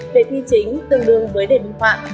đề thi chính tương đương với đề bình hoạn